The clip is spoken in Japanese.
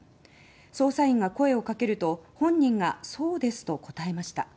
捜査員が声をかけると本人がそうですと答えました。